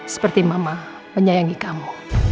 seperti mama menyayangi kamu